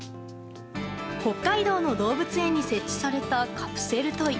北海道の動物園に設置されたカプセルトイ。